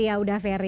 ya udah ferry